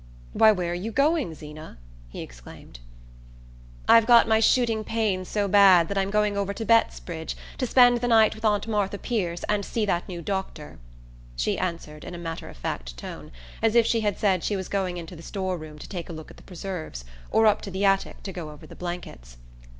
"Why, where are you going, Zeena?" he exclaimed. "I've got my shooting pains so bad that I'm going over to Bettsbridge to spend the night with Aunt Martha Pierce and see that new doctor," she answered in a matter of fact tone, as if she had said she was going into the store room to take a look at the preserves, or up to the attic to go over the blankets.